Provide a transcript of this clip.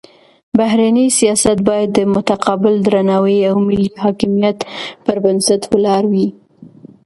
بهرنی سیاست باید د متقابل درناوي او ملي حاکمیت پر بنسټ ولاړ وي.